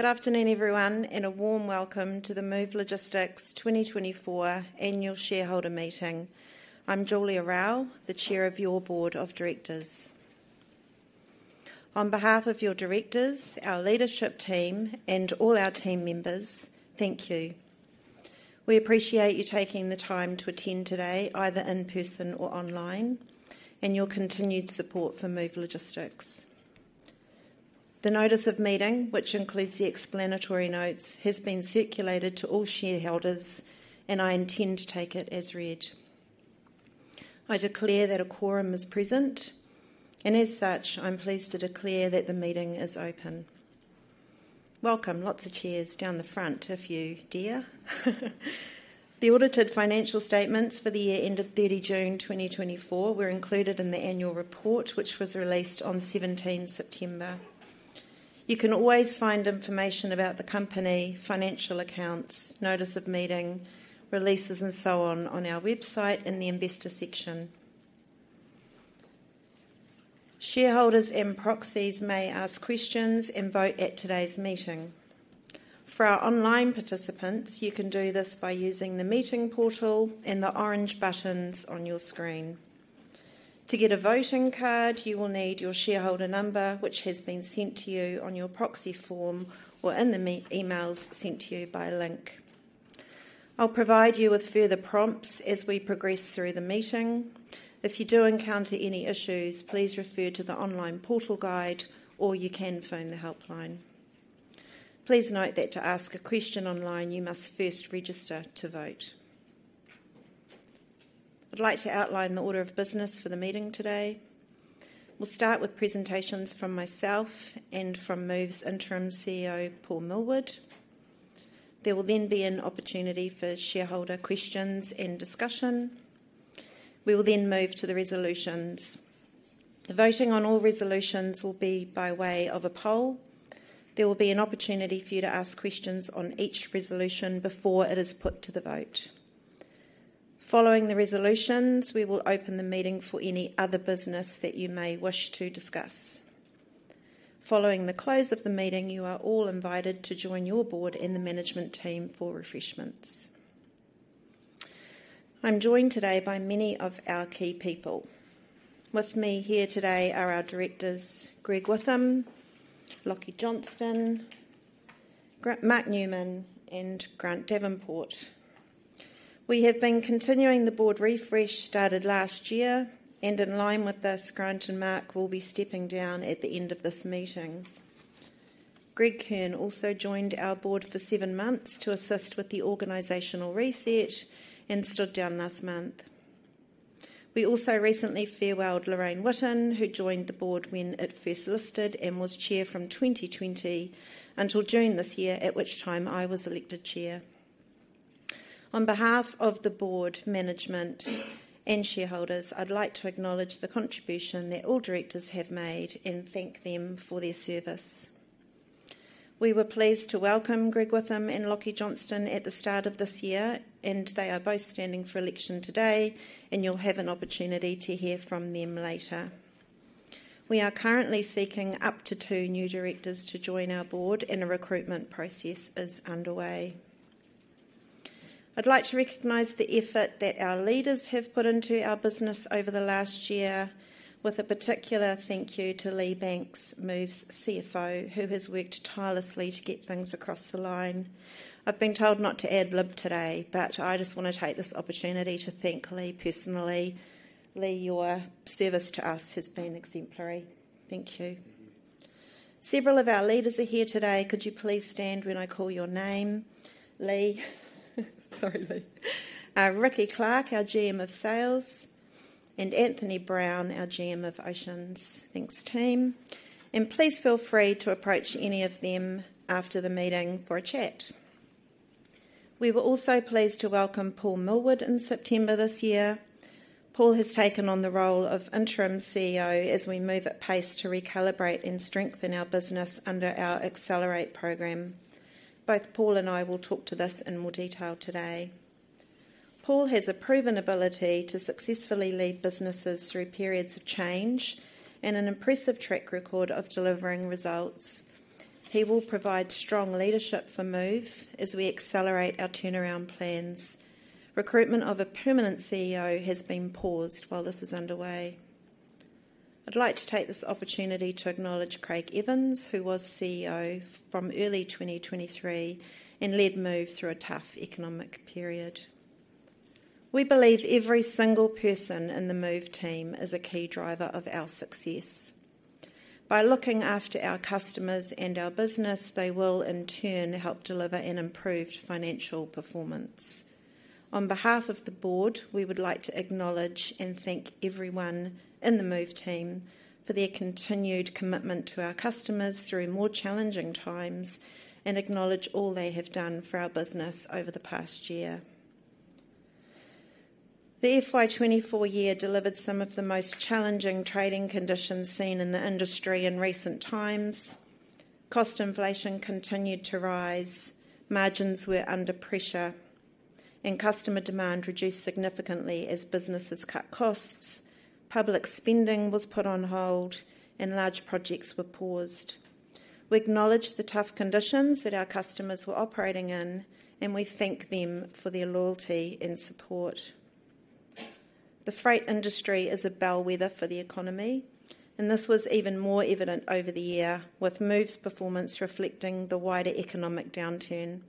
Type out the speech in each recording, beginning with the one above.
Good afternoon, everyone, and a warm welcome to the Move Logistics 2024 Annual Shareholder Meeting. I'm Julia Raue, the Chair of your Board of Directors. On behalf of your directors, our leadership team, and all our team members, thank you. We appreciate you taking the time to attend today, either in person or online, and your continued support for Move Logistics. The notice of meeting, which includes the explanatory notes, has been circulated to all shareholders, and I intend to take it as read. I declare that a quorum is present, and as such, I'm pleased to declare that the meeting is open. Welcome. Lots of chairs down the front, if you dare. The audited financial statements for the year ended thirty June 2024 were included in the annual report, which was released on seventeenth September. You can always find information about the company, financial accounts, notice of meeting, releases, and so on, on our website in the investor section. Shareholders and proxies may ask questions and vote at today's meeting. For our online participants, you can do this by using the meeting portal and the orange buttons on your screen. To get a voting card, you will need your shareholder number, which has been sent to you on your proxy form or in the meeting emails sent to you by Link. I'll provide you with further prompts as we progress through the meeting. If you do encounter any issues, please refer to the online portal guide, or you can phone the helpline. Please note that to ask a question online, you must first register to vote. I'd like to outline the order of business for the meeting today. We'll start with presentations from myself and from Move's Interim CEO, Paul Millward. There will then be an opportunity for shareholder questions and discussion. We will then move to the resolutions. The voting on all resolutions will be by way of a poll. There will be an opportunity for you to ask questions on each resolution before it is put to the vote. Following the resolutions, we will open the meeting for any other business that you may wish to discuss. Following the close of the meeting, you are all invited to join your board and the management team for refreshments. I'm joined today by many of our key people. With me here today are our directors, Greg Whitham, Lachie Johnstone, Mark Newman, and Grant Davenport. We have been continuing the board refresh started last year, and in line with this, Grant and Mark will be stepping down at the end of this meeting. Greg Kern also joined our board for seven months to assist with the organizational reset and stood down last month. We also recently farewelled Lorraine Witten, who joined the board when it first listed and was chair from 2020 until June this year, at which time I was elected chair. On behalf of the board, management, and shareholders, I'd like to acknowledge the contribution that all directors have made and thank them for their service. We were pleased to welcome Greg Whitham and Lachie Johnstone at the start of this year, and they are both standing for election today, and you'll have an opportunity to hear from them later. We are currently seeking up to two new directors to join our board, and a recruitment process is underway. I'd like to recognize the effort that our leaders have put into our business over the last year, with a particular thank you to Lee Banks, Move's CFO, who has worked tirelessly to get things across the line. I've been told not to ad-lib today, but I just want to take this opportunity to thank Lee personally. Lee, your service to us has been exemplary. Thank you. Several of our leaders are here today. Could you please stand when I call your name? Lee, sorry, Lee. Ricky Clark, our GM of Sales, and Anthony Brown, our GM of Oceans. Thanks, team. And please feel free to approach any of them after the meeting for a chat. We were also pleased to welcome Paul Millward in September this year. Paul has taken on the role of Interim CEO as we move at pace to recalibrate and strengthen our business under our Accelerate program. Both Paul and I will talk to this in more detail today. Paul has a proven ability to successfully lead businesses through periods of change and an impressive track record of delivering results. He will provide strong leadership for Move as we accelerate our turnaround plans. Recruitment of a permanent CEO has been paused while this is underway. I'd like to take this opportunity to acknowledge Craig Evans, who was CEO from early 2023 and led Move through a tough economic period. We believe every single person in the Move team is a key driver of our success. By looking after our customers and our business, they will, in turn, help deliver an improved financial performance. On behalf of the board, we would like to acknowledge and thank everyone in the Move team for their continued commitment to our customers through more challenging times and acknowledge all they have done for our business over the past year. The FY 2024 year delivered some of the most challenging trading conditions seen in the industry in recent times. Cost inflation continued to rise. Margins were under pressure, and customer demand reduced significantly as businesses cut costs, public spending was put on hold, and large projects were paused. We acknowledge the tough conditions that our customers were operating in, and we thank them for their loyalty and support. The freight industry is a bellwether for the economy, and this was even more evident over the year, with Move's performance reflecting the wider economic downturn.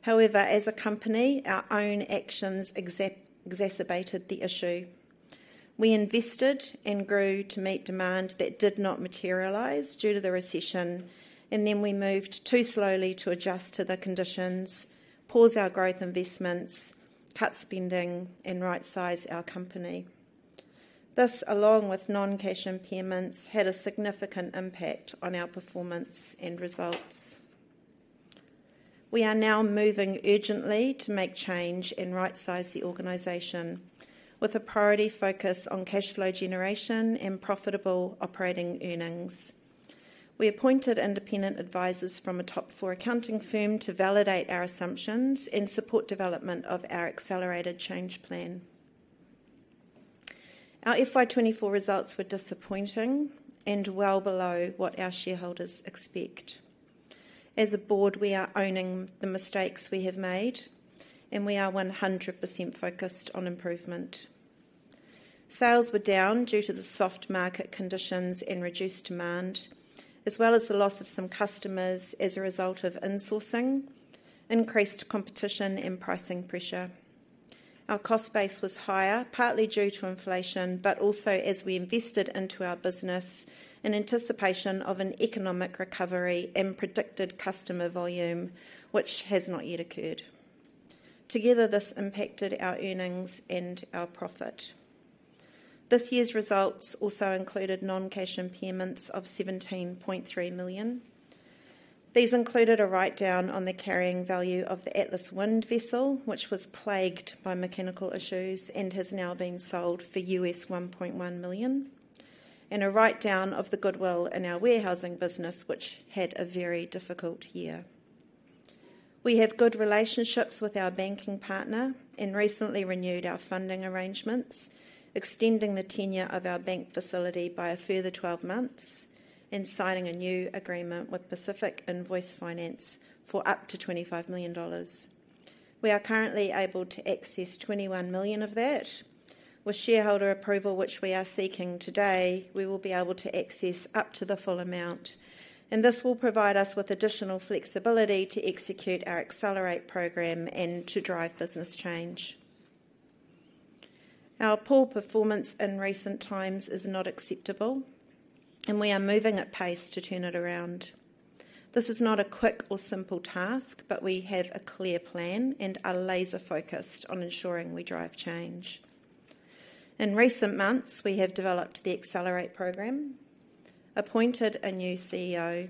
However, as a company, our own actions exacerbated the issue. We invested and grew to meet demand that did not materialize due to the recession, and then we moved too slowly to adjust to the conditions, pause our growth investments, cut spending, and rightsize our company. This, along with non-cash impairments, had a significant impact on our performance and results. We are now moving urgently to make change and rightsize the organization, with a priority focus on cash flow generation and profitable operating earnings. We appointed independent advisors from a top four accounting firm to validate our assumptions and support development of our accelerated change plan. Our FY twenty-four results were disappointing and well below what our shareholders expect. As a board, we are owning the mistakes we have made, and we are 100% focused on improvement. Sales were down due to the soft market conditions and reduced demand, as well as the loss of some customers as a result of insourcing, increased competition, and pricing pressure. Our cost base was higher, partly due to inflation, but also as we invested into our business in anticipation of an economic recovery and predicted customer volume, which has not yet occurred. Together, this impacted our earnings and our profit. This year's results also included non-cash impairments of 17.3 million. These included a write-down on the carrying value of the Atlas Wind vessel, which was plagued by mechanical issues and has now been sold for $1.1 million, and a write-down of the goodwill in our warehousing business, which had a very difficult year. We have good relationships with our banking partner and recently renewed our funding arrangements, extending the tenure of our bank facility by a further twelve months and signing a new agreement with Pacific Invoice Finance for up to 25 million dollars. We are currently able to access 21 million of that. With shareholder approval, which we are seeking today, we will be able to access up to the full amount, and this will provide us with additional flexibility to execute our Accelerate program and to drive business change. Our poor performance in recent times is not acceptable, and we are moving at pace to turn it around. This is not a quick or simple task, but we have a clear plan and are laser-focused on ensuring we drive change. In recent months, we have developed the Accelerate program, appointed a new CEO,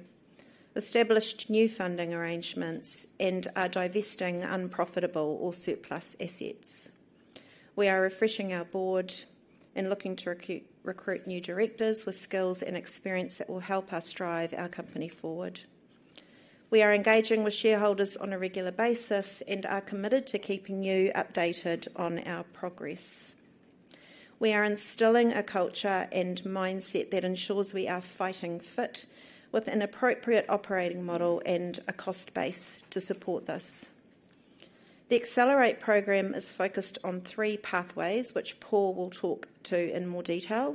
established new funding arrangements, and are divesting unprofitable or surplus assets. We are refreshing our board and looking to recruit new directors with skills and experience that will help us drive our company forward. We are engaging with shareholders on a regular basis and are committed to keeping you updated on our progress. We are instilling a culture and mindset that ensures we are fighting fit with an appropriate operating model and a cost base to support this. The Accelerate program is focused on three pathways, which Paul will talk to in more detail.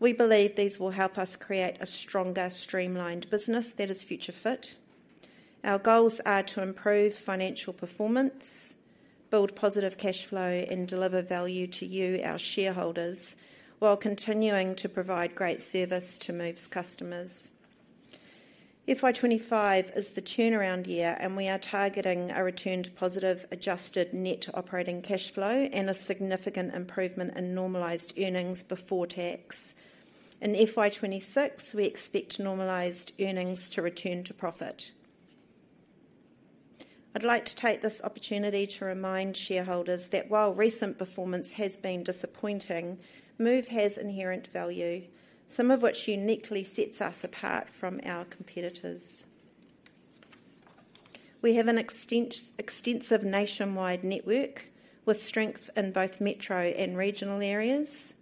We believe these will help us create a stronger, streamlined business that is future-fit. Our goals are to improve financial performance, build positive cash flow, and deliver value to you, our shareholders, while continuing to provide great service to Move's customers. FY twenty-five is the turnaround year, and we are targeting a return to positive adjusted net operating cash flow and a significant improvement in normalized earnings before tax. In FY twenty-six, we expect normalized earnings to return to profit. I'd like to take this opportunity to remind shareholders that while recent performance has been disappointing, Move has inherent value, some of which uniquely sets us apart from our competitors. We have an extensive nationwide network with strength in both metro and regional areas.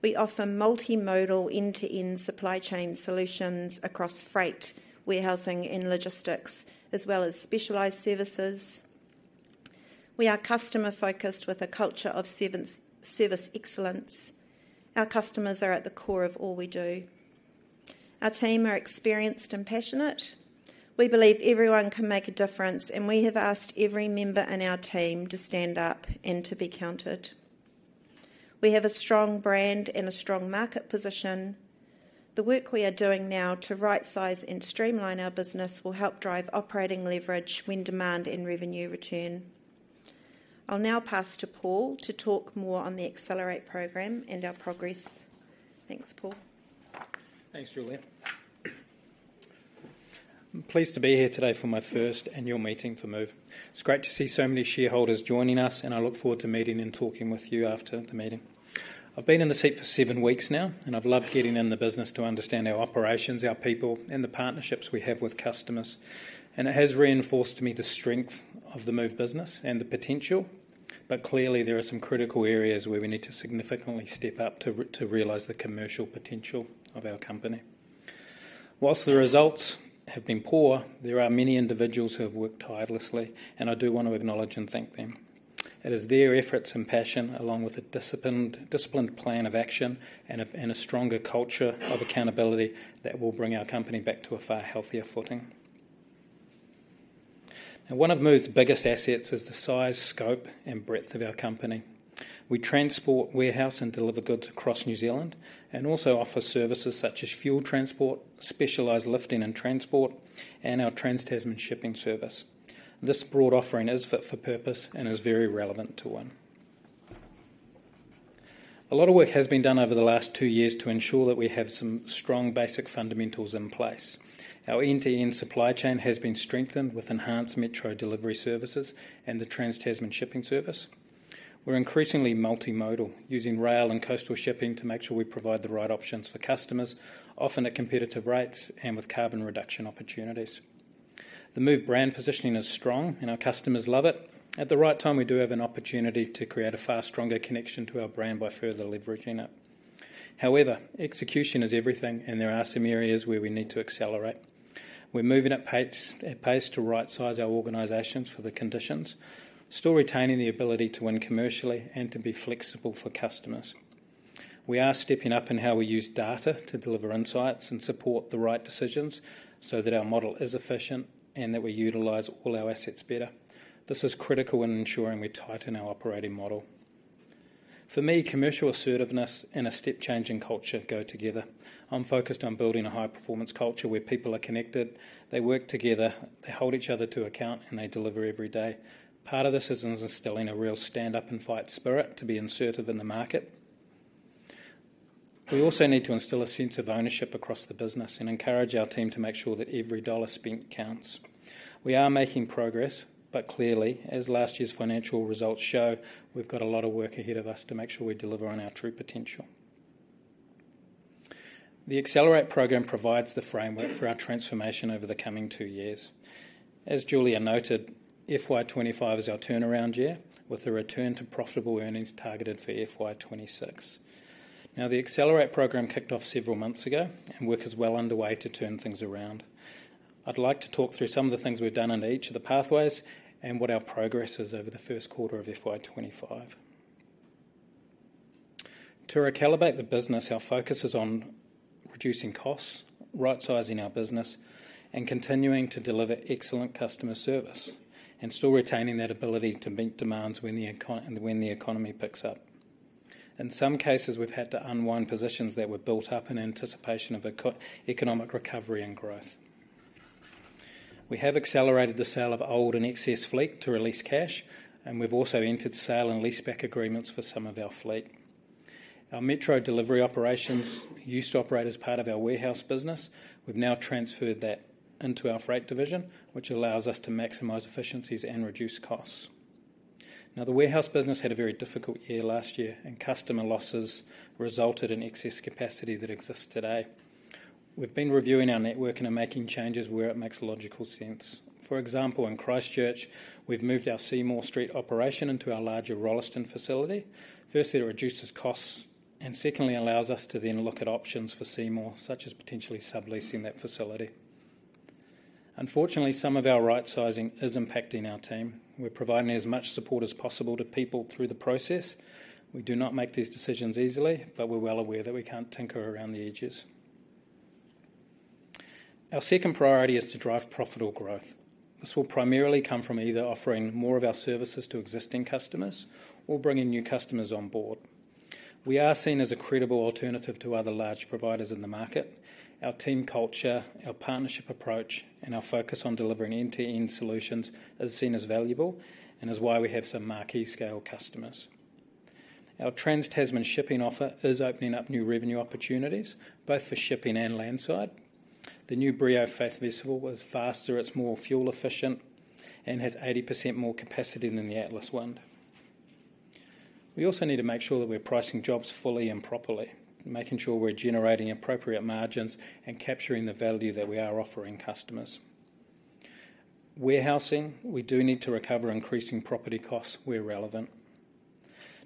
We offer multimodal, end-to-end supply chain solutions across freight, warehousing, and logistics, as well as specialized services. We are customer-focused with a culture of service excellence. Our customers are at the core of all we do. Our team are experienced and passionate. We believe everyone can make a difference, and we have asked every member in our team to stand up and to be counted. We have a strong brand and a strong market position. The work we are doing now to rightsize and streamline our business will help drive operating leverage when demand and revenue return. I'll now pass to Paul to talk more on the Accelerate program and our progress. Thanks, Paul. Thanks, Julia. I'm pleased to be here today for my first annual meeting for Move. It's great to see so many shareholders joining us, and I look forward to meeting and talking with you after the meeting.... I've been in the seat for seven weeks now, and I've loved getting in the business to understand our operations, our people, and the partnerships we have with customers. It has reinforced to me the strength of the Move business and the potential, but clearly, there are some critical areas where we need to significantly step up to realize the commercial potential of our company. While the results have been poor, there are many individuals who have worked tirelessly, and I do want to acknowledge and thank them. It is their efforts and passion, along with a disciplined plan of action and a stronger culture of accountability, that will bring our company back to a far healthier footing. Now, one of Move's biggest assets is the size, scope, and breadth of our company. We transport, warehouse, and deliver goods across New Zealand and also offer services such as fuel transport, specialized lifting and transport, and our trans-Tasman shipping service. This broad offering is fit for purpose and is very relevant to one. A lot of work has been done over the last two years to ensure that we have some strong basic fundamentals in place. Our end-to-end supply chain has been strengthened with enhanced metro delivery services and the trans-Tasman shipping service. We're increasingly multimodal, using rail and coastal shipping to make sure we provide the right options for customers, often at competitive rates and with carbon reduction opportunities. The Move brand positioning is strong, and our customers love it. At the right time, we do have an opportunity to create a far stronger connection to our brand by further leveraging it. However, execution is everything, and there are some areas where we need to accelerate. We're moving at pace, at pace to right-size our organizations for the conditions, still retaining the ability to win commercially and to be flexible for customers. We are stepping up in how we use data to deliver insights and support the right decisions so that our model is efficient and that we utilize all our assets better. This is critical in ensuring we tighten our operating model. For me, commercial assertiveness and a step-change in culture go together. I'm focused on building a high-performance culture where people are connected, they work together, they hold each other to account, and they deliver every day. Part of this is instilling a real stand-up-and-fight spirit to be assertive in the market. We also need to instill a sense of ownership across the business and encourage our team to make sure that every dollar spent counts. We are making progress, but clearly, as last year's financial results show, we've got a lot of work ahead of us to make sure we deliver on our true potential. The Accelerate program provides the framework for our transformation over the coming two years. As Julia noted, FY twenty-five is our turnaround year, with a return to profitable earnings targeted for FY twenty-six. Now, the Accelerate program kicked off several months ago, and work is well underway to turn things around. I'd like to talk through some of the things we've done in each of the pathways and what our progress is over the first quarter of FY twenty-five. To recalibrate the business, our focus is on reducing costs, right-sizing our business, and continuing to deliver excellent customer service, and still retaining that ability to meet demands when the economy picks up. In some cases, we've had to unwind positions that were built up in anticipation of economic recovery and growth. We have accelerated the sale of old and excess fleet to release cash, and we've also entered sale and lease-back agreements for some of our fleet. Our metro delivery operations used to operate as part of our warehouse business. We've now transferred that into our freight division, which allows us to maximize efficiencies and reduce costs. Now, the warehouse business had a very difficult year last year, and customer losses resulted in excess capacity that exists today. We've been reviewing our network and are making changes where it makes logical sense. For example, in Christchurch, we've moved our Seymour Street operation into our larger Rolleston facility. Firstly, it reduces costs, and secondly, allows us to then look at options for Seymour, such as potentially subleasing that facility. Unfortunately, some of our right-sizing is impacting our team. We're providing as much support as possible to people through the process. We do not make these decisions easily, but we're well aware that we can't tinker around the edges. Our second priority is to drive profitable growth. This will primarily come from either offering more of our services to existing customers or bringing new customers on board. We are seen as a credible alternative to other large providers in the market. Our team culture, our partnership approach, and our focus on delivering end-to-end solutions is seen as valuable and is why we have some marquee-scale customers. Our trans-Tasman shipping offer is opening up new revenue opportunities, both for shipping and landside. The new Brio Faith vessel is faster, it's more fuel-efficient, and has 80% more capacity than the Atlas Wind. We also need to make sure that we're pricing jobs fully and properly, making sure we're generating appropriate margins and capturing the value that we are offering customers. Warehousing, we do need to recover increasing property costs where relevant.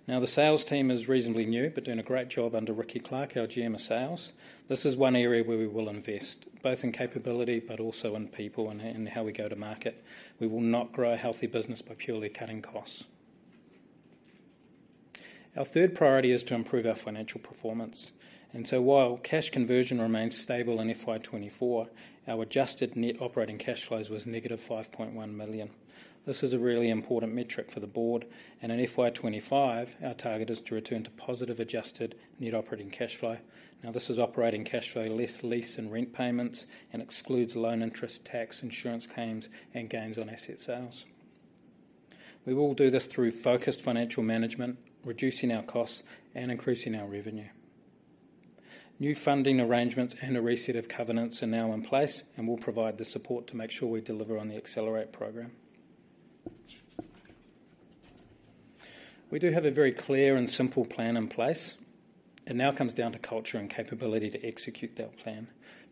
Now, the sales team is reasonably new, but doing a great job under Ricky Clark, our GM of sales. This is one area where we will invest, both in capability but also in people and how we go to market. We will not grow a healthy business by purely cutting costs. Our third priority is to improve our financial performance, and so while cash conversion remains stable in FY 2024, our adjusted net operating cash flows was negative 5.1 million. This is a really important metric for the board, and in FY 2025, our target is to return to positive adjusted net operating cash flow. Now, this is operating cash flow, less lease and rent payments, and excludes loan interest, tax, insurance claims, and gains on asset sales. We will do this through focused financial management, reducing our costs, and increasing our revenue. New funding arrangements and a reset of covenants are now in place and will provide the support to make sure we deliver on the Accelerate program. We do have a very clear and simple plan in place. It now comes down to culture and capability to execute that plan.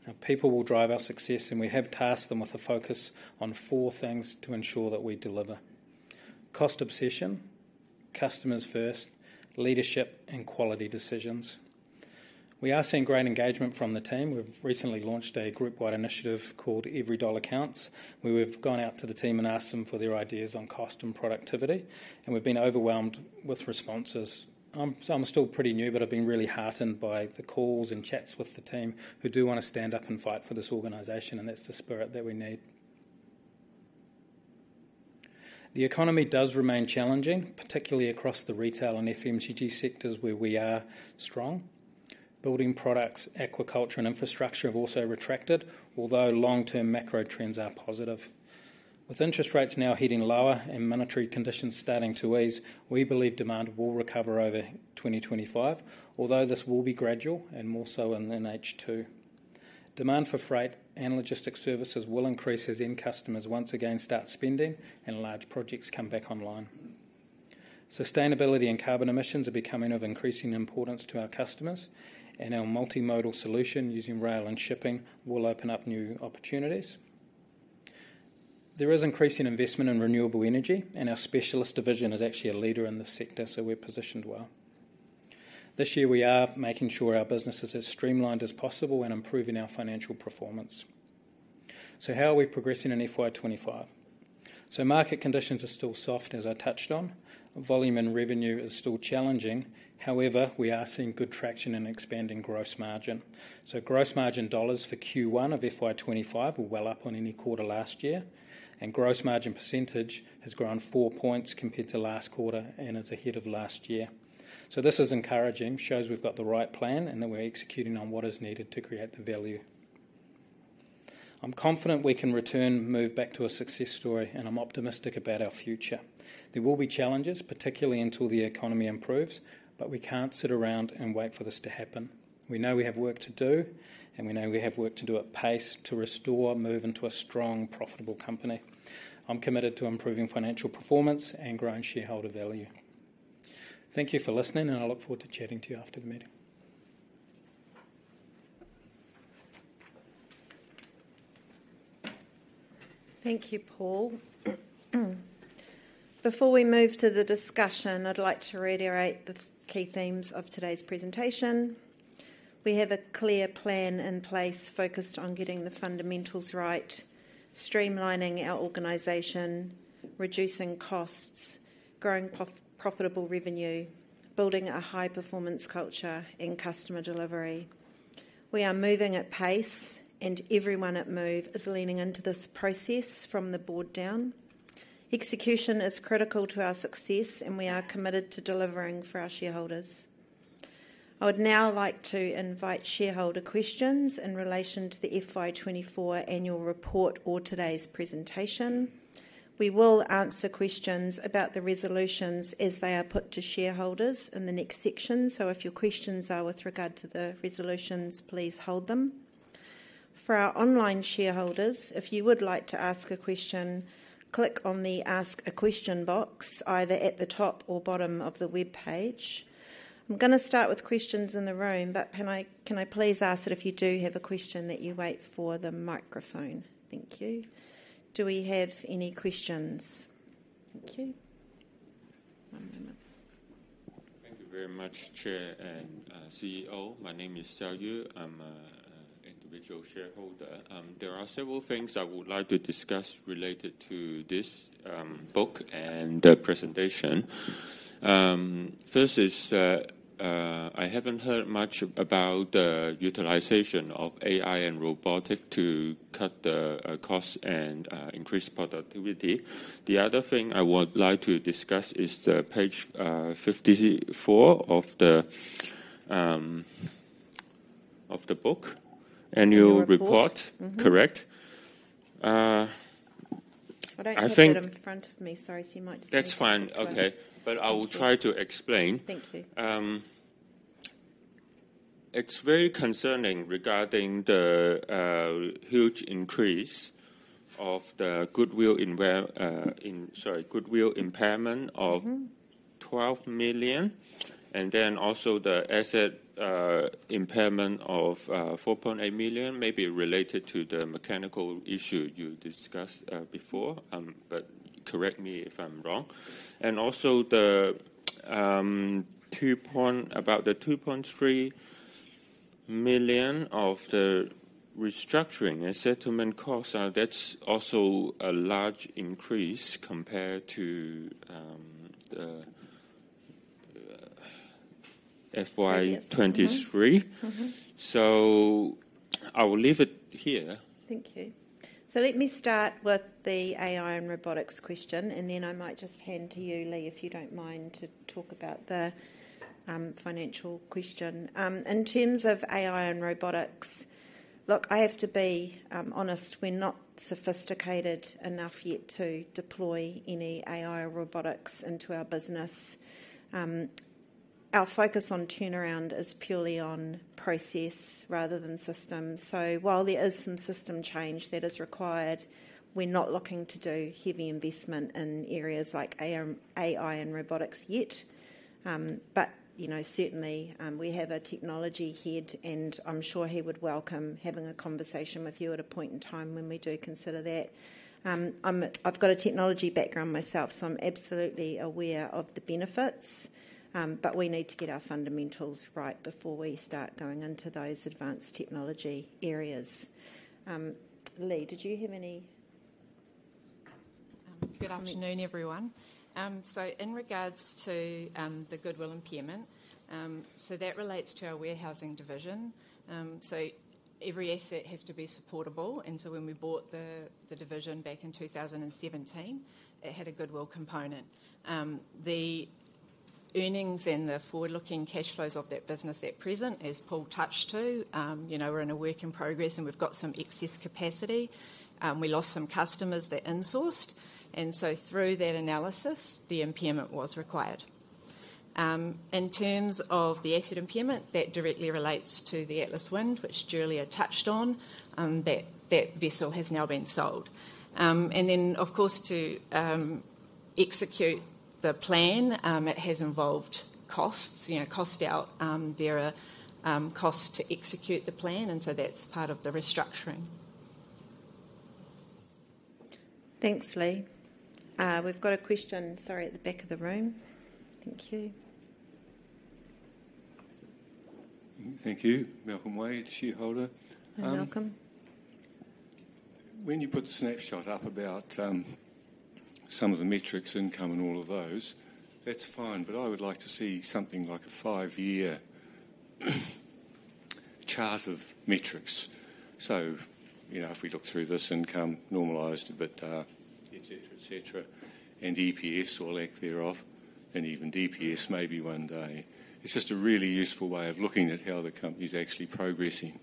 Now, people will drive our success, and we have tasked them with a focus on four things to ensure that we deliver: cost obsession, customers first, leadership, and quality decisions. We are seeing great engagement from the team. We've recently launched a group-wide initiative called Every Dollar Counts, where we've gone out to the team and asked them for their ideas on cost and productivity, and we've been overwhelmed with responses. So I'm still pretty new, but I've been really heartened by the calls and chats with the team, who do wanna stand up and fight for this organization, and that's the spirit that we need. The economy does remain challenging, particularly across the retail and FMCG sectors where we are strong. Building products, aquaculture, and infrastructure have also retracted, although long-term macro trends are positive. With interest rates now heading lower and monetary conditions starting to ease, we believe demand will recover over twenty twenty-five, although this will be gradual and more so in H2. Demand for freight and logistics services will increase as end customers once again start spending and large projects come back online. Sustainability and carbon emissions are becoming of increasing importance to our customers, and our multi-modal solution using rail and shipping will open up new opportunities. There is increasing investment in renewable energy, and our specialist division is actually a leader in this sector, so we're positioned well. This year, we are making sure our business is as streamlined as possible and improving our financial performance. So how are we progressing in FY 2025? So market conditions are still soft, as I touched on. Volume and revenue is still challenging. However, we are seeing good traction in expanding gross margin. So gross margin dollars for Q1 of FY 2025 were well up on any quarter last year, and gross margin percentage has grown four points compared to last quarter and is ahead of last year. So this is encouraging, shows we've got the right plan and that we're executing on what is needed to create the value. I'm confident we can return move back to a success story, and I'm optimistic about our future. There will be challenges, particularly until the economy improves, but we can't sit around and wait for this to happen. We know we have work to do, and we know we have work to do at pace to restore Move into a strong, profitable company. I'm committed to improving financial performance and growing shareholder value. Thank you for listening, and I look forward to chatting to you after the meeting. Thank you, Paul. Before we move to the discussion, I'd like to reiterate the key themes of today's presentation. We have a clear plan in place focused on getting the fundamentals right, streamlining our organization, reducing costs, growing profitable revenue, building a high-performance culture, and customer delivery. We are moving at pace, and everyone at Move is leaning into this process from the board down. Execution is critical to our success, and we are committed to delivering for our shareholders. I would now like to invite shareholder questions in relation to the FY twenty-four annual report or today's presentation. We will answer questions about the resolutions as they are put to shareholders in the next section. So if your questions are with regard to the resolutions, please hold them. For our online shareholders, if you would like to ask a question, click on the Ask a Question box, either at the top or bottom of the webpage. I'm gonna start with questions in the room, but can I, can I please ask that if you do have a question, that you wait for the microphone? Thank you. Do we have any questions? Thank you. One minute. Thank you very much, Chair and CEO. My name is Xiao Yu. I'm an individual shareholder. There are several things I would like to discuss related to this book and the presentation. First is, I haven't heard much about the utilization of AI and robotics to cut the costs and increase productivity. The other thing I would like to discuss is the page 54 of the book, annual report. Report. Correct. Uh... I don't have it- I think- in front of me. Sorry, so you might just- That's fine. Okay. I will try to explain. Thank you. It's very concerning regarding the huge increase of the goodwill impairment of- Mm-hmm... 12 million, and then also the asset impairment of 4.8 million may be related to the mechanical issue you discussed before. But correct me if I'm wrong. And also about the 2.3 million of the restructuring and settlement costs, that's also a large increase compared to the FY 2023. Mm-hmm. I will leave it here. Thank you, so let me start with the AI and robotics question, and then I might just hand to you, Lee, if you don't mind, to talk about the financial question. In terms of AI and robotics, look, I have to be honest, we're not sophisticated enough yet to deploy any AI robotics into our business. Our focus on turnaround is purely on process rather than systems, so while there is some system change that is required, we're not looking to do heavy investment in areas like AI, AI and robotics yet. But, you know, certainly, we have a technology head, and I'm sure he would welcome having a conversation with you at a point in time when we do consider that. I've got a technology background myself, so I'm absolutely aware of the benefits, but we need to get our fundamentals right before we start going into those advanced technology areas. Lee, did you have any- Good afternoon, everyone. So in regards to the goodwill impairment, so that relates to our warehousing division. So every asset has to be supportable, and so when we bought the division back in 2017, it had a goodwill component. The earnings and the forward-looking cash flows of that business at present, as Paul touched on, you know, we're in a work in progress, and we've got some excess capacity. We lost some customers that insourced, and so through that analysis, the impairment was required. In terms of the asset impairment, that directly relates to the Atlas Wind, which Julia touched on, that vessel has now been sold. And then, of course, to execute the plan, it has involved costs. You know, cost out, there are costs to execute the plan, and so that's part of the restructuring. Thanks, Lee. We've got a question, sorry, at the back of the room. Thank you. Thank you. Malcolm Wade, shareholder. Hi, Malcolm. When you put the snapshot up about some of the metrics, income, and all of those, that's fine, but I would like to see something like a five-year chart of metrics. So, you know, if we look through this income, normalized a bit, et cetera, et cetera, and EPS or lack thereof, and even DPS maybe one day. It's just a really useful way of looking at how the company's actually progressing,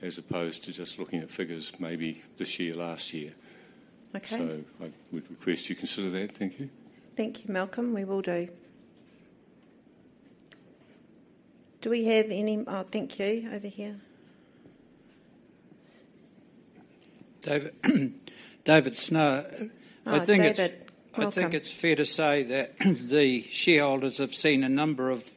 as opposed to just looking at figures maybe this year, last year. Okay. So I would request you consider that. Thank you. Thank you, Malcolm. We will do. Do we have any... Oh, thank you, over here. David, David Snow. Hi, David. Welcome. I think it's fair to say that the shareholders have seen a number of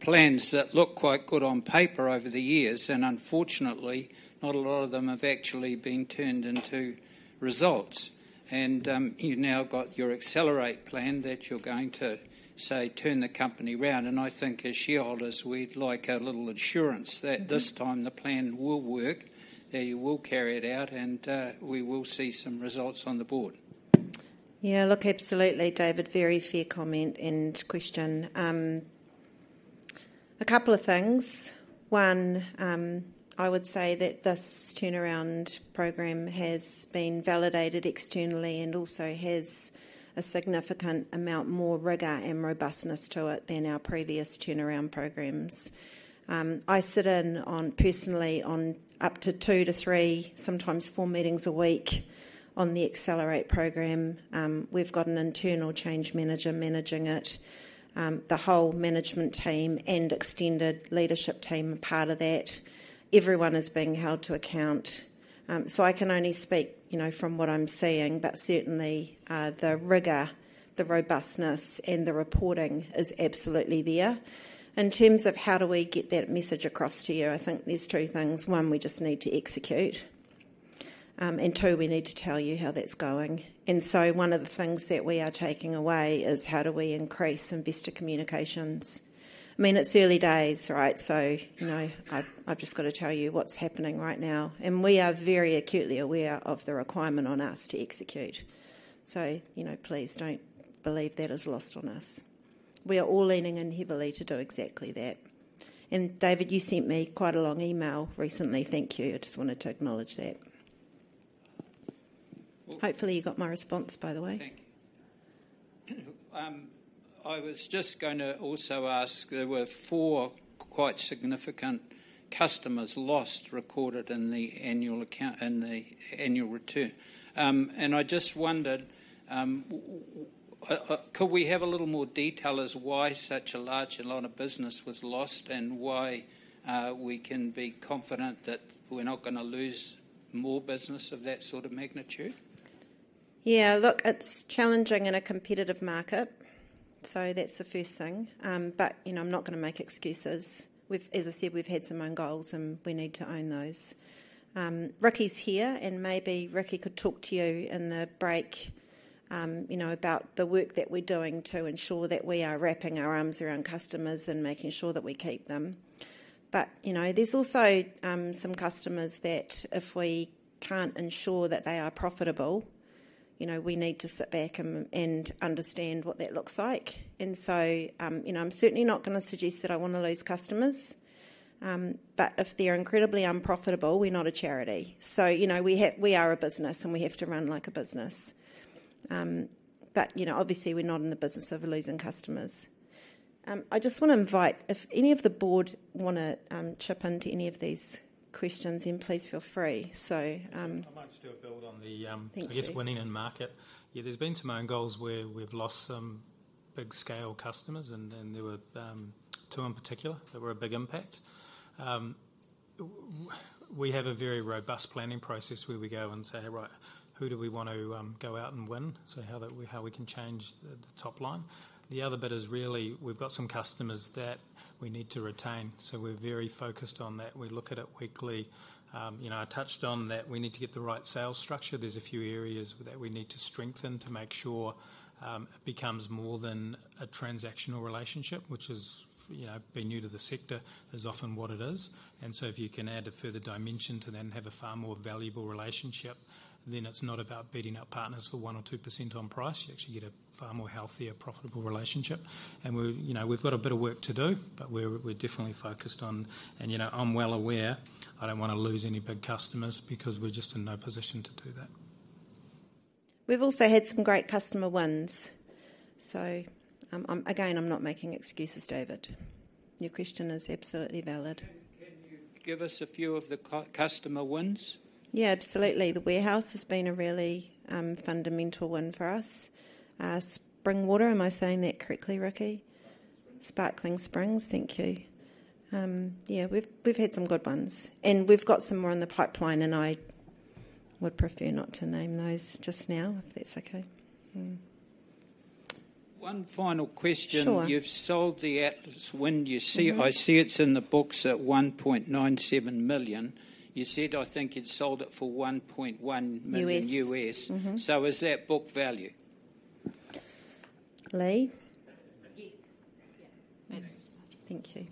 plans that look quite good on paper over the years, and unfortunately, not a lot of them have actually been turned into results. And, you've now got your Accelerate plan that you're going to, say, turn the company around, and I think as shareholders, we'd like a little assurance- Mm-hmm... that this time the plan will work, that you will carry it out, and we will see some results on the board. Yeah, look, absolutely, David. Very fair comment and question. A couple of things. One, I would say that this turnaround program has been validated externally and also has a significant amount more rigor and robustness to it than our previous turnaround programs. I sit in on, personally, on up to two to three, sometimes four meetings a week on the Accelerate program. We've got an internal change manager managing it. The whole management team and extended leadership team are part of that. Everyone is being held to account. So I can only speak, you know, from what I'm seeing, but certainly, the rigor, the robustness, and the reporting is absolutely there. In terms of how do we get that message across to you, I think there's two things: One, we just need to execute, and two, we need to tell you how that's going. And so one of the things that we are taking away is, how do we increase investor communications? I mean, it's early days, right? So, you know, I've just got to tell you what's happening right now, and we are very acutely aware of the requirement on us to execute. So, you know, please don't believe that is lost on us. We are all leaning in heavily to do exactly that. And David, you sent me quite a long email recently. Thank you. I just wanted to acknowledge that. Hopefully, you got my response, by the way. Thank you. I was just going to also ask, there were four quite significant customers lost recorded in the annual account- in the annual return. and I just wondered, could we have a little more detail as why such a large amount of business was lost and why we can be confident that we're not gonna lose more business of that sort of magnitude? Yeah, look, it's challenging in a competitive market, so that's the first thing. But, you know, I'm not gonna make excuses. We've. As I said, we've had some own goals, and we need to own those. Ricky's here, and maybe Ricky could talk to you in the break, you know, about the work that we're doing to ensure that we are wrapping our arms around customers and making sure that we keep them. But, you know, there's also some customers that if we can't ensure that they are profitable, you know, we need to sit back and understand what that looks like. And so, you know, I'm certainly not gonna suggest that I wanna lose customers, but if they're incredibly unprofitable, we're not a charity. So, you know, we are a business, and we have to run like a business. But, you know, obviously, we're not in the business of losing customers. I just wanna invite... If any of the board wanna chip into any of these questions in, please feel free. So, I'd like to do a build on the, Thank you... I guess winning in market. Yeah, there's been some own goals where we've lost some big-scale customers, and there were two in particular that were a big impact. We have a very robust planning process where we go and say: "Right, who do we want to go out and win?" So how we can change the top line. The other bit is really, we've got some customers that we need to retain, so we're very focused on that. We look at it weekly. You know, I touched on that we need to get the right sales structure. There's a few areas that we need to strengthen to make sure it becomes more than a transactional relationship, which is, you know, being new to the sector, is often what it is. And so if you can add a further dimension to then have a far more valuable relationship, then it's not about beating up partners for 1% or 2% on price. You actually get a far more healthier, profitable relationship. And we're, you know, we've got a bit of work to do, but we're definitely focused on... And, you know, I'm well aware I don't wanna lose any big customers because we're just in no position to do that. We've also had some great customer wins, so, I'm, again, I'm not making excuses, David. Your question is absolutely valid. Can you give us a few of the customer wins? Yeah, absolutely. The Warehouse has been a really fundamental win for us. Sparkling Spring, am I saying that correctly, Ricky? Sparkling Springs. Sparkling Spring, thank you. Yeah, we've had some good ones, and we've got some more in the pipeline, and I would prefer not to name those just now, if that's okay. One final question. Sure. You've sold the Atlas Wind. Mm-hmm. I see it's in the books at 1.97 million. You said, I think, you'd sold it for $1.1 million- US... US. Mm-hmm. So is that book value? Lee? Yes. Yeah. That's- Thanks. Thank you.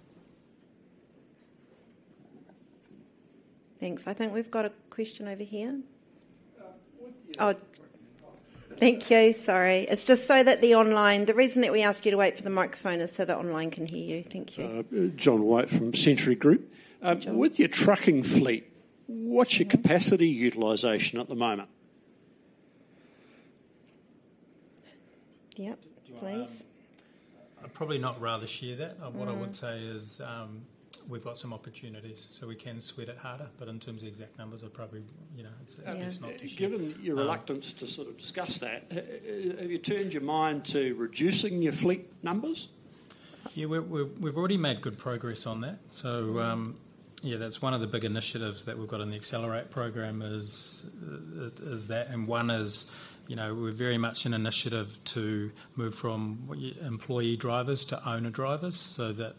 Thanks. I think we've got a question over here. with the- Oh. Thank you. Sorry. It's just so that the online... The reason that we ask you to wait for the microphone is so that online can hear you. Thank you. John White from Century Group. John. With your trucking fleet- Mm... what's your capacity utilization at the moment? Yep, please. Do you want, I'd probably not rather share that. Mm-hmm. What I would say is, we've got some opportunities, so we can sweat it harder, but in terms of the exact numbers, I'd probably, you know, it's not to share. Given your reluctance- Um... to sort of discuss that, have you turned your mind to reducing your fleet numbers? Yeah, we've already made good progress on that. Mm-hmm. Yeah, that's one of the big initiatives that we've got in the Accelerate program is that, and one is, you know, we're very much in initiative to move from employee drivers to owner-drivers so that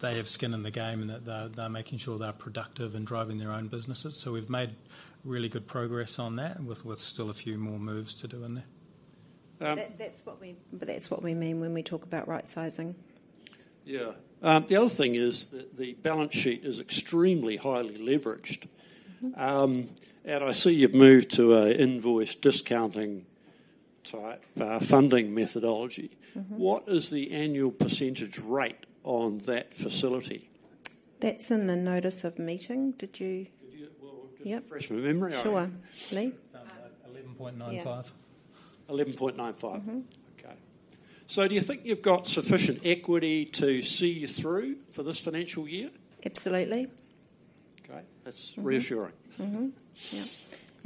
they have skin in the game and that they're making sure they're productive in driving their own businesses. So we've made really good progress on that, and with still a few more moves to do in there. Um- That's what we mean when we talk about right-sizing. Yeah. The other thing is that the balance sheet is extremely highly leveraged. Mm-hmm. I see you've moved to an invoice discounting-type funding methodology. Mm-hmm. What is the annual percentage rate on that facility? That's in the notice of meeting. Did you- Could you... Well, well, just refresh my memory. Yep. Sure. Lee? It's eleven point nine five. Yeah. Eleven point nine five? Mm-hmm. Okay, so do you think you've got sufficient equity to see you through for this financial year? Absolutely. Okay, that's reassuring. Mm-hmm. Mm-hmm.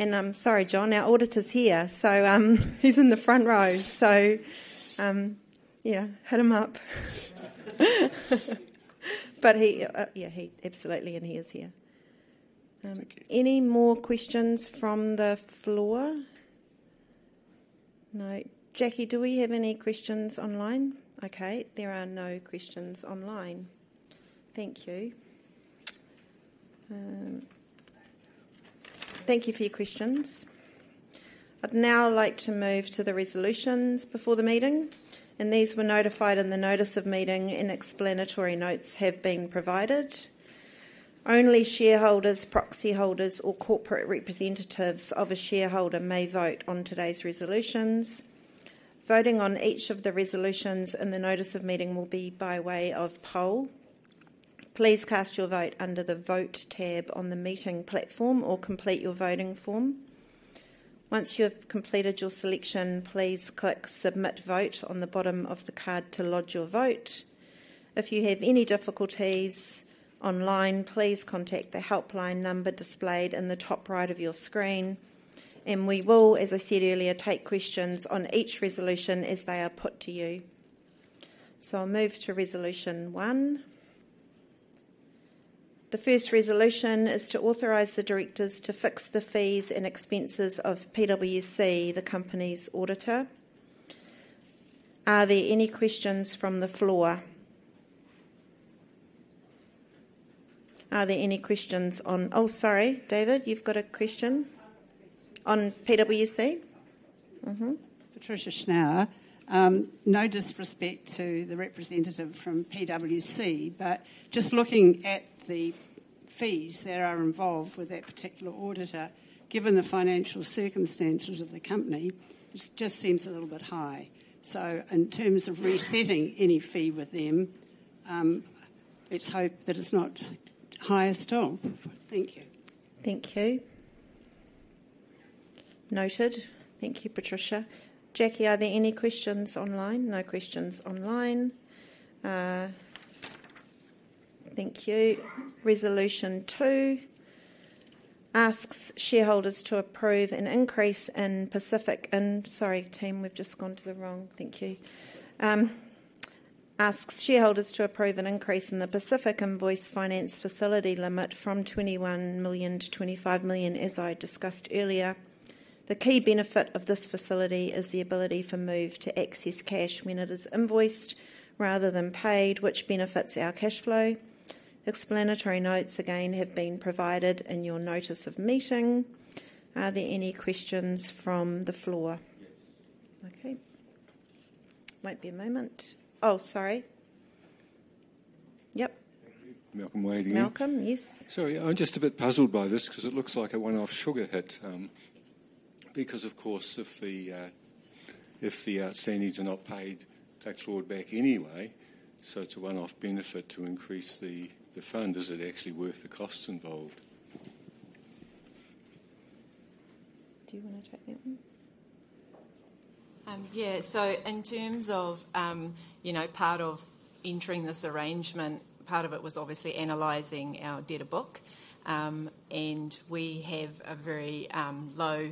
Yep. And, sorry, John, our auditor's here, so, he's in the front row. So, yeah, hit him up. But he, yeah, he absolutely, and he is here. Thank you. Any more questions from the floor? No. Jackie, do we have any questions online? Okay, there are no questions online. Thank you. Thank you for your questions. I'd now like to move to the resolutions before the meeting, and these were notified in the notice of meeting, and explanatory notes have been provided. Only shareholders, proxy holders, or corporate representatives of a shareholder may vote on today's resolutions. Voting on each of the resolutions in the notice of meeting will be by way of poll. Please cast your vote under the Vote tab on the meeting platform, or complete your voting form. Once you have completed your selection, please click Submit Vote on the bottom of the card to lodge your vote. If you have any difficulties online, please contact the helpline number displayed in the top right of your screen, and we will, as I said earlier, take questions on each resolution as they are put to you. So I'll move to resolution one. The first resolution is to authorize the directors to fix the fees and expenses of PwC, the company's auditor. Are there any questions from the floor? Are there any questions on... Oh, sorry, David, you've got a question- On PwC? Mm-hmm. Patricia Schnauer. No disrespect to the representative from PwC, but just looking at the fees that are involved with that particular auditor, given the financial circumstances of the company, it just seems a little bit high. So in terms of resetting any fee with them, let's hope that it's not higher still. Thank you. Thank you. Noted. Thank you, Patricia. Jackie, are there any questions online? No questions online. Thank you. Resolution two asks shareholders to approve an increase in the Pacific Invoice Finance facility limit from 21 million to 25 million, as I discussed earlier. The key benefit of this facility is the ability for Move to access cash when it is invoiced rather than paid, which benefits our cash flow. Explanatory notes, again, have been provided in your notice of meeting. Are there any questions from the floor? Yes. Okay. Might be a moment. Oh, sorry. Yep. Malcolm Wade here. Malcolm, yes. Sorry, I'm just a bit puzzled by this 'cause it looks like a one-off sugar hit. Because, of course, if the, if the outstandings are not paid, that's brought back anyway, so it's a one-off benefit to increase the, the fund. Is it actually worth the costs involved? Do you wanna take that one? Yeah, so in terms of, you know, part of entering this arrangement, part of it was obviously analyzing our debtor book. And we have a very low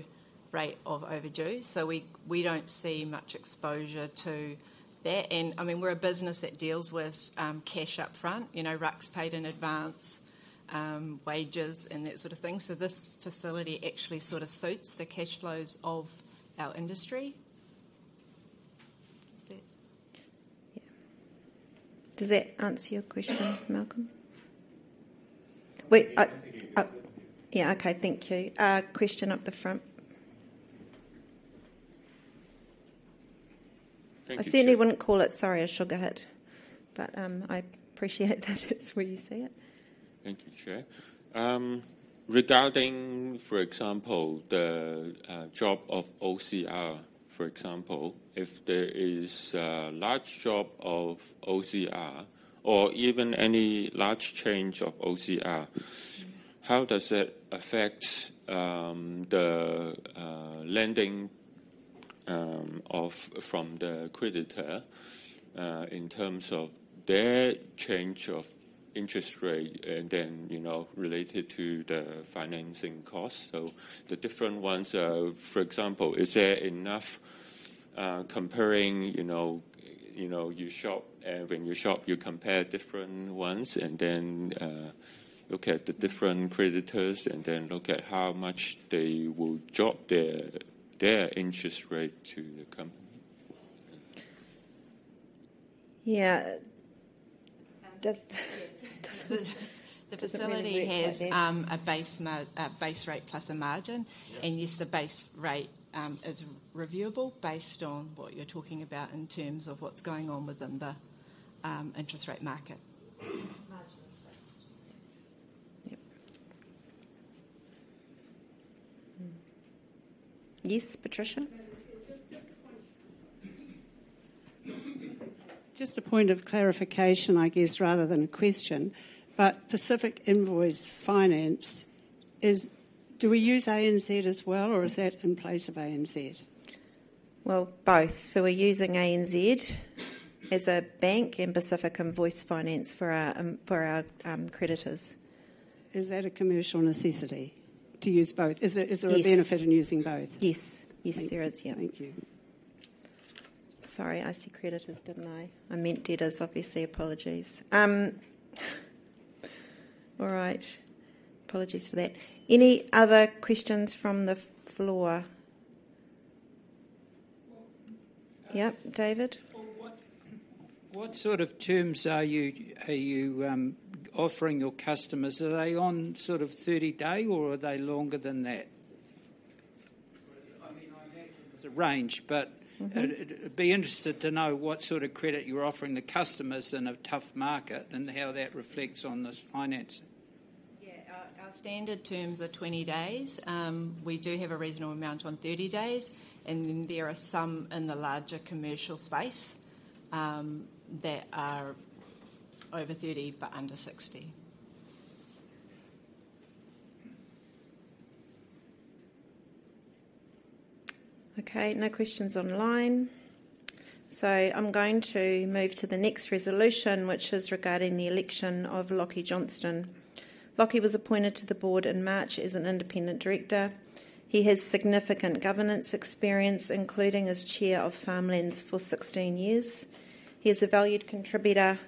rate of overdue, so we don't see much exposure to that. And, I mean, we're a business that deals with cash up front, you know, racks paid in advance, wages and that sort of thing. So this facility actually sort of suits the cash flows of our industry. Does that? Yeah. Does that answer your question, Malcolm? Wait, I- I think he- Yeah, okay. Thank you. Question up the front. Thank you, Chair. I certainly wouldn't call it, sorry, a sugar hit, but, I appreciate that it's where you see it. Thank you, Chair. Regarding, for example, the drop of OCR, for example, if there is a large drop of OCR or even any large change of OCR, how does it affect the lending of from the creditor in terms of their change of interest rate and then, you know, related to the financing cost? So the different ones, for example, is there enough comparing, you know, you know, you shop, when you shop, you compare different ones and then look at the different creditors and then look at how much they will drop their interest rate to the company? Yeah. Does- The facility has a base rate plus a margin. Yeah. Yes, the base rate is reviewable based on what you're talking about in terms of what's going on within the interest rate market. Margin is fixed. Yep. Yes, Patricia? Just a point. Just a point of clarification, I guess, rather than a question. But Pacific Invoice Finance is. Do we use ANZ as well, or is that in place of ANZ? Both. So we're using ANZ as a bank and Pacific Invoice Finance for our creditors. Is that a commercial necessity to use both? Yes. Is there a benefit in using both? Yes. Yes, there is. Yeah. Thank you. Sorry, I said creditors, didn't I? I meant debtors, obviously. Apologies. All right. Apologies for that. Any other questions from the floor? Well, uh- Yep, David? What sort of terms are you offering your customers? Are they on sort of 30-day or are they longer than that? I mean, I imagine there's a range, but- Mm-hmm... I'd be interested to know what sort of credit you're offering the customers in a tough market and how that reflects on this financing. Yeah. Our standard terms are twenty days. We do have a reasonable amount on thirty days, and then there are some in the larger commercial space that are over thirty but under sixty. Okay, no questions online. So I'm going to move to the next resolution, which is regarding the election of Lachie Johnstone. Lachie was appointed to the board in March as an independent director. He has significant governance experience, including as chair of Farmlands for 16 years. He is a valued contributor,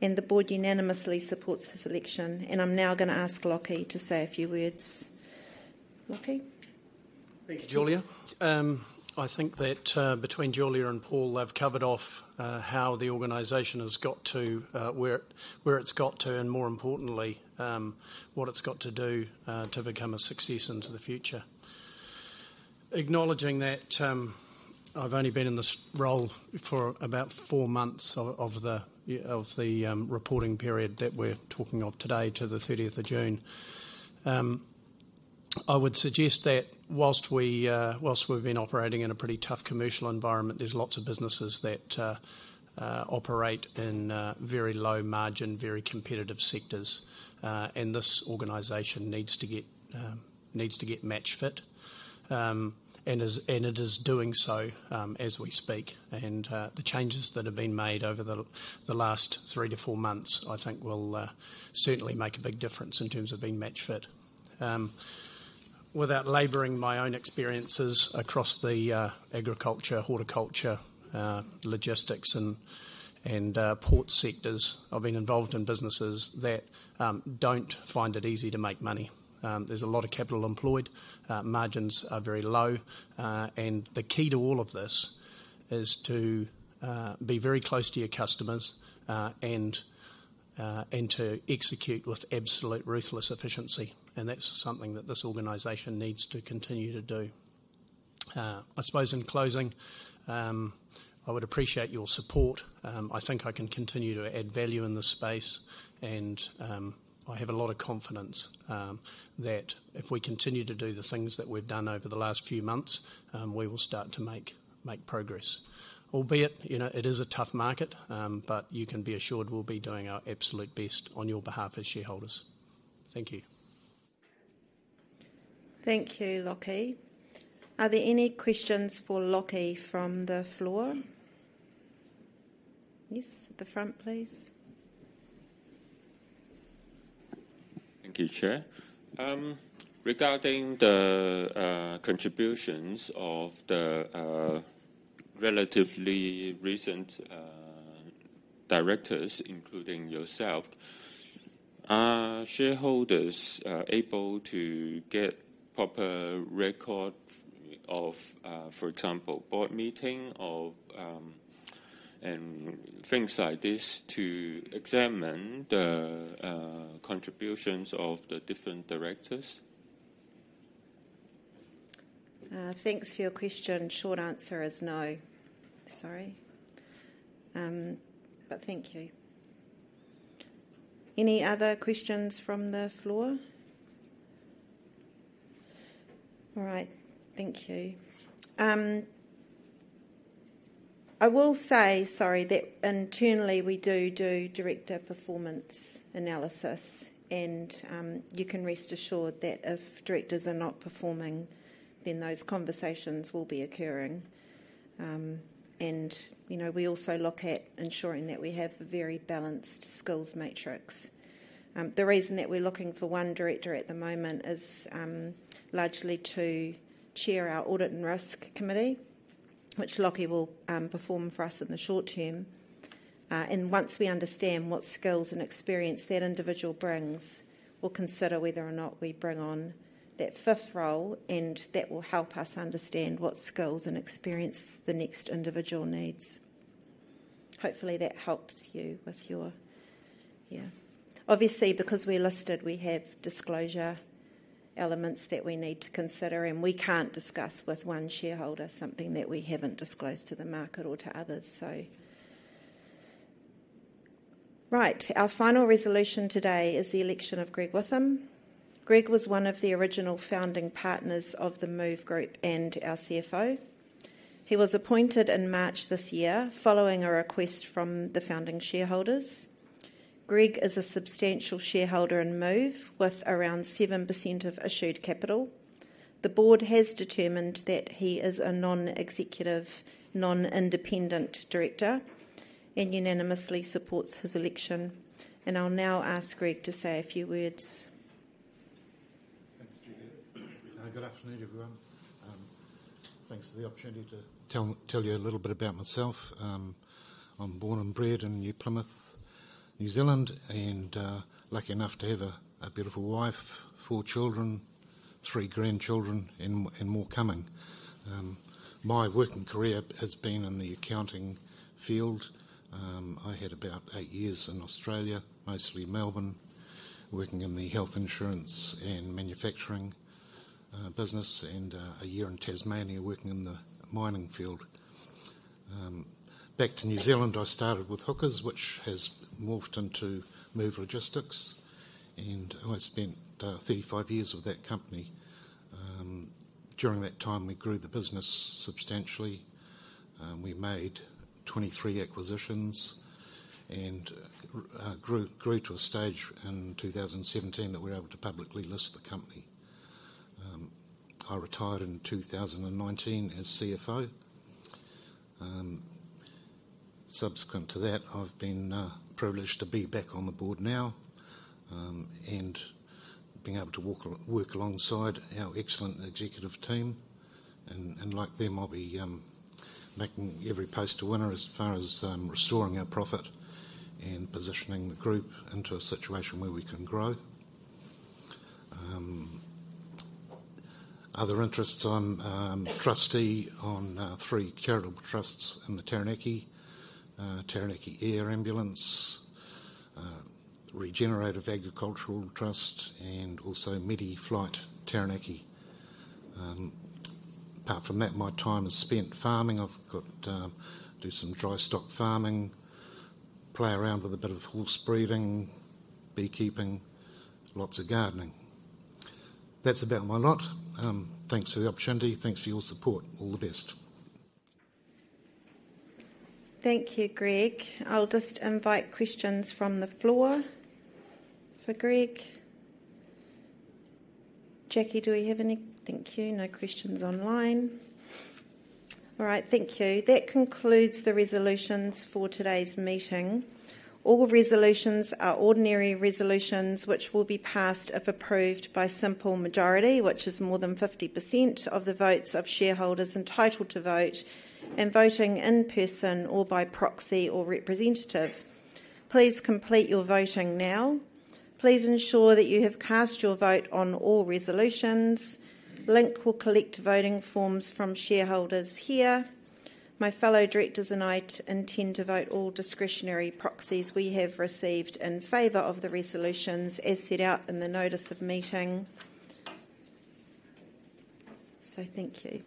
and the board unanimously supports his election, and I'm now gonna ask Lachie to say a few words. Lachie? Thank you, Julia. I think that between Julia and Paul, they've covered off how the organization has got to where it's got to and, more importantly, what it's got to do to become a success into the future. Acknowledging that, I've only been in this role for about four months of the reporting period that we're talking of today to the thirtieth of June. I would suggest that while we've been operating in a pretty tough commercial environment, there's lots of businesses that operate in very low margin, very competitive sectors, and this organization needs to get match fit, and it is doing so as we speak. And, the changes that have been made over the last three to four months, I think, will certainly make a big difference in terms of being match fit. Without laboring my own experiences across the agriculture, horticulture, logistics, and port sectors, I've been involved in businesses that don't find it easy to make money. There's a lot of capital employed, margins are very low, and the key to all of this is to be very close to your customers, and to execute with absolute ruthless efficiency, and that's something that this organization needs to continue to do. I suppose in closing, I would appreciate your support. I think I can continue to add value in this space, and I have a lot of confidence that if we continue to do the things that we've done over the last few months, we will start to make progress. Albeit, you know, it is a tough market, but you can be assured we'll be doing our absolute best on your behalf as shareholders. Thank you. Thank you, Lachie. Are there any questions for Lachie from the floor? Yes, at the front, please. Thank you, Chair. Regarding the contributions of the relatively recent directors, including yourself, are shareholders able to get proper record of, for example, board meeting or, and things like this to examine the contributions of the different directors? Thanks for your question. Short answer is no. Sorry. But thank you. Any other questions from the floor? All right, thank you. I will say, sorry, that internally we do do director performance analysis, and, you can rest assured that if directors are not performing, then those conversations will be occurring. And, you know, we also look at ensuring that we have a very balanced skills matrix. The reason that we're looking for one director at the moment is, largely to chair our Audit and Risk Committee, which Lachie will perform for us in the short term. And once we understand what skills and experience that individual brings, we'll consider whether or not we bring on that fifth role, and that will help us understand what skills and experience the next individual needs. Hopefully, that helps you with your... Yeah. Obviously, because we're listed, we have disclosure elements that we need to consider, and we can't discuss with one shareholder something that we haven't disclosed to the market or to others, so. Right, our final resolution today is the election of Greg Whitham. Greg was one of the original founding partners of the Move Group and our CFO. He was appointed in March this year following a request from the founding shareholders. Greg is a substantial shareholder in Move, with around 7% of issued capital. The board has determined that he is a non-executive, non-independent director and unanimously supports his election, and I'll now ask Greg to say a few words. Thanks, Julia. Good afternoon, everyone. Thanks for the opportunity to tell you a little bit about myself. I'm born and bred in New Plymouth, New Zealand, and lucky enough to have a beautiful wife, four children, three grandchildren, and more coming. My working career has been in the accounting field. I had about eight years in Australia, mostly Melbourne, working in the health insurance and manufacturing business, and a year in Tasmania, working in the mining field. Back to New Zealand, I started with Hookers, which has morphed into Move Logistics, and I spent 35 years with that company. During that time, we grew the business substantially. We made 23 acquisitions and grew to a stage in 2017 that we were able to publicly list the company. I retired in 2019 as CFO. Subsequent to that, I've been privileged to be back on the board now, and being able to work alongside our excellent executive team, and like them, I'll be making every post a winner as far as restoring our profit and positioning the group into a situation where we can grow. Other interests, I'm trustee on three charitable trusts in the Taranaki, Taranaki Air Ambulance, Regenerative Agricultural Trust, and also MediFlight Taranaki. Apart from that, my time is spent farming. I've got do some dry stock farming, play around with a bit of horse breeding, beekeeping, lots of gardening. That's about my lot. Thanks for the opportunity. Thanks for your support. All the best. ... Thank you, Greg. I'll just invite questions from the floor for Greg. Jackie, do we have any? Thank you. No questions online. All right, thank you. That concludes the resolutions for today's meeting. All resolutions are ordinary resolutions which will be passed, if approved, by simple majority, which is more than 50% of the votes of shareholders entitled to vote and voting in person or by proxy or representative. Please complete your voting now. Please ensure that you have cast your vote on all resolutions. Link will collect voting forms from shareholders here. My fellow directors and I intend to vote all discretionary proxies we have received in favor of the resolutions as set out in the notice of meeting. So thank you.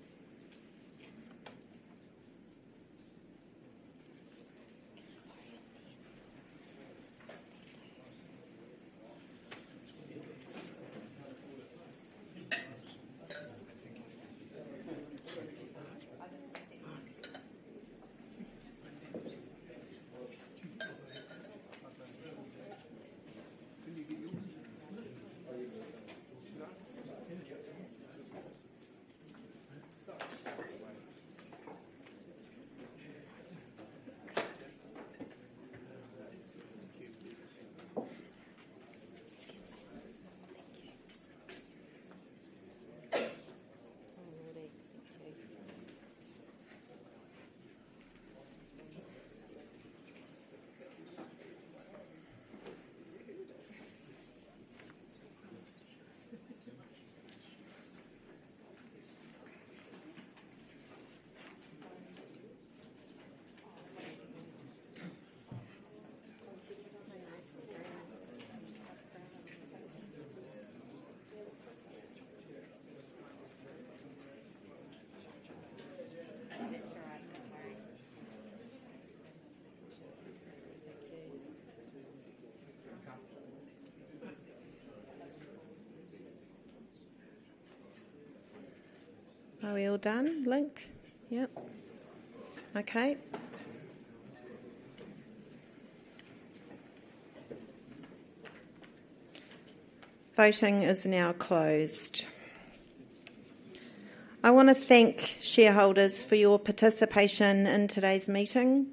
Are we all done, Link? Yep. Okay. Voting is now closed. I wanna thank shareholders for your participation in today's meeting.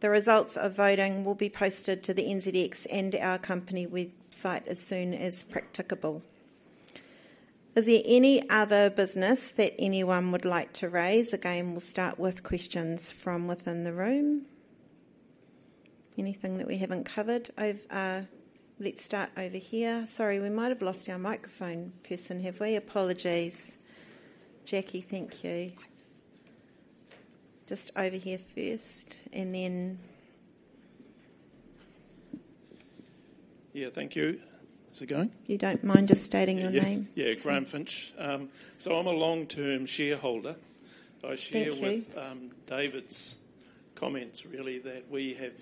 The results of voting will be posted to the NZX and our company website as soon as practicable. Is there any other business that anyone would like to raise? Again, we'll start with questions from within the room. Anything that we haven't covered over. Let's start over here. Sorry, we might have lost our microphone person, have we? Apologies. Jackie, thank you. Just over here first, and then- Yeah. Thank you. Is it going? If you don't mind just stating your name. Yeah. Yeah, Graham Finch. So I'm a long-term shareholder. Thank you. I share with David's comments really, that we have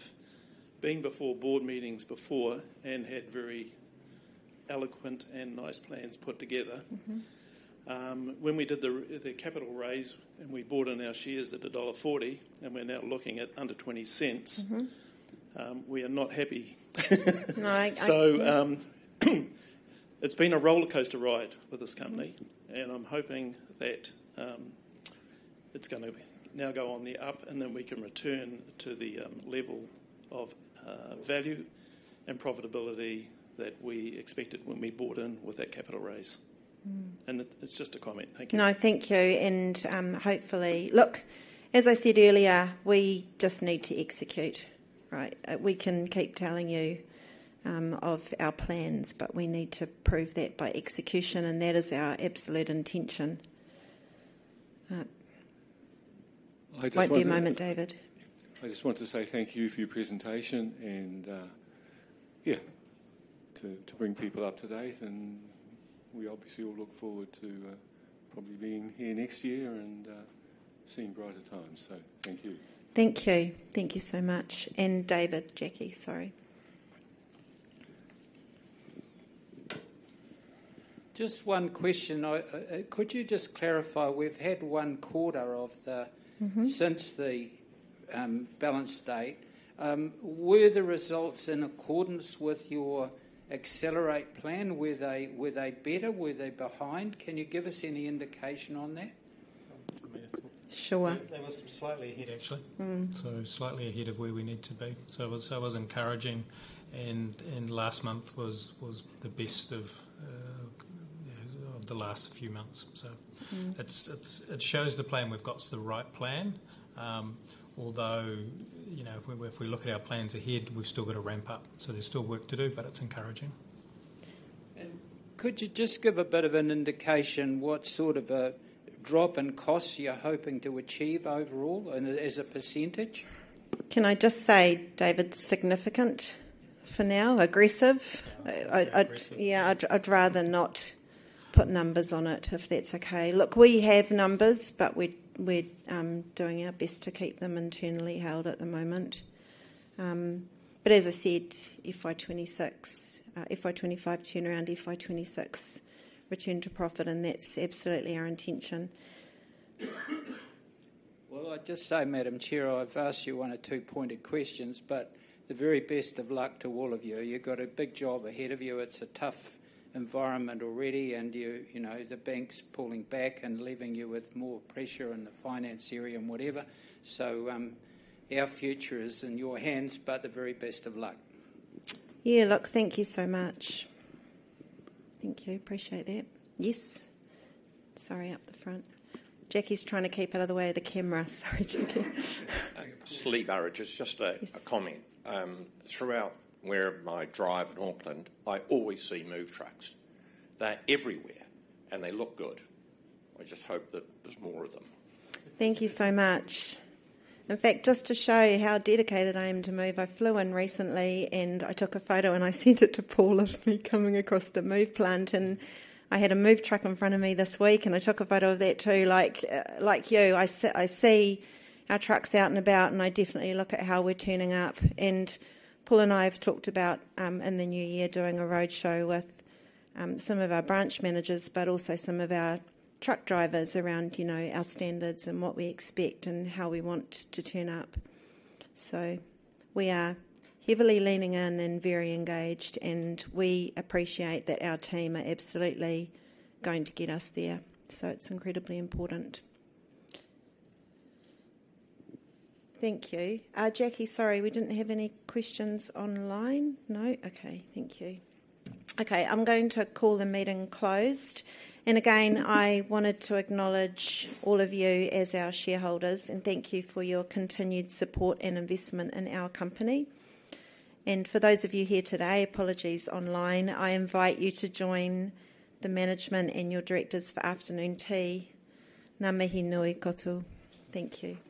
been before board meetings before and had very eloquent and nice plans put together. Mm-hmm. When we did the capital raise, and we bought in our shares at dollar 1.40, and we're now looking at under 0.20. Mm-hmm... we are not happy. No, I. It's been a roller coaster ride with this company, and I'm hoping that it's gonna now go on the up, and then we can return to the level of value and profitability that we expected when we bought in with that capital raise. Mm. It's just a comment. Thank you. No, thank you, and, hopefully... Look, as I said earlier, we just need to execute, right? We can keep telling you, of our plans, but we need to prove that by execution, and that is our absolute intention. I just want to- Wait a moment, David. I just wanted to say thank you for your presentation and, yeah, to bring people up to date, and we obviously all look forward to probably being here next year and seeing brighter times, so thank you. Thank you. Thank you so much. And David, Jackie, sorry. Just one question. I could you just clarify, we've had one quarter of the- Mm-hmm... since the balance date. Were the results in accordance with your accelerate plan? Were they better? Were they behind? Can you give us any indication on that? Sure. They were slightly ahead, actually. Mm. So slightly ahead of where we need to be. So it was encouraging, and last month was the best of the last few months. So- Mm... it shows the plan we've got is the right plan. Although, you know, if we look at our plans ahead, we've still got to ramp up, so there's still work to do, but it's encouraging. Could you just give a bit of an indication what sort of a drop in costs you're hoping to achieve overall and as a percentage? Can I just say, David, significant for now, aggressive? Uh, aggressive. I'd rather not put numbers on it, if that's okay. Look, we have numbers, but we're doing our best to keep them internally held at the moment. But as I said, FY 2026, FY 2025 turnaround, FY 2026 return to profit, and that's absolutely our intention. I'd just say, Madam Chair, I've asked you one or two pointed questions, but the very best of luck to all of you. You've got a big job ahead of you. It's a tough environment already, and you know, the bank's pulling back and leaving you with more pressure in the finance area and whatever. Our future is in your hands, but the very best of luck. Yeah, look, thank you so much. Thank you. Appreciate that. Yes? Sorry, up the front. Jackie's trying to keep out of the way of the camera. Sorry, Jackie. Lee Burridge. It's just a- Yes... a comment. Throughout wherever I drive in Auckland, I always see Move trucks. They're everywhere, and they look good. I just hope that there's more of them. Thank you so much. In fact, just to show you how dedicated I am to Move, I flew in recently, and I took a photo, and I sent it to Paul of me coming across the Move plane, and I had a Move truck in front of me this week, and I took a photo of that, too. Like you, I see our trucks out and about, and I definitely look at how we're turning up. And Paul and I have talked about, in the new year, doing a roadshow with, some of our branch managers, but also some of our truck drivers around, you know, our standards and what we expect and how we want to turn up. So we are heavily leaning in and very engaged, and we appreciate that our team are absolutely going to get us there, so it's incredibly important. Thank you. Jackie, sorry, we didn't have any questions online? No. Okay. Thank you. Okay, I'm going to call the meeting closed. And again, I wanted to acknowledge all of you as our shareholders, and thank you for your continued support and investment in our company. And for those of you here today, apologies online, I invite you to join the management and your directors for afternoon tea. Ngā mihi nui katoa. Thank you.